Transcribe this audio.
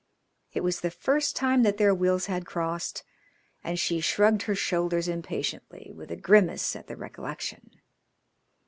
It was the first time that their wills had crossed, and she shrugged her shoulders impatiently, with a grimace at the recollection.